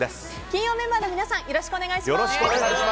金曜メンバーの皆さんよろしくお願いします。